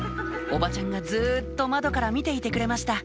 おばちゃんがずっと窓から見ていてくれました